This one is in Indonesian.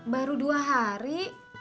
baru dua hari